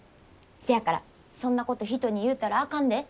せやからそんなこと人に言うたらあかんで。